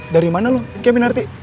dari mana lo kiki aminarti